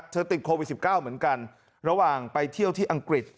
ติดโควิด๑๙เหมือนกันระหว่างไปเที่ยวที่อังกฤษ